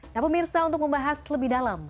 nah pemirsa untuk membahas lebih dalam